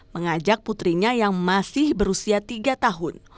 mengajak putrinya yang masih berusia tiga tahun